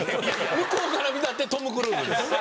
向こうから見たってトム・クルーズです。